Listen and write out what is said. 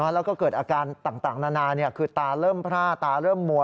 แล้วก็เกิดอาการต่างนานาคือตาเริ่มพร่าตาเริ่มมัว